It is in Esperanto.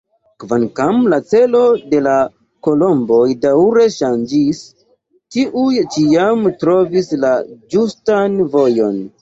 Kvankam la celo de la kolomboj daŭre ŝanĝis, tiuj ĉiam trovis la ĝustan vojon.